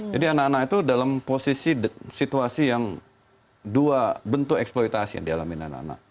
jadi anak anak itu dalam posisi situasi yang dua bentuk eksploitasi yang dialami anak anak